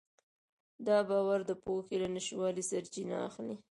دا باور د پوهې له نشتوالي سرچینه اخلي.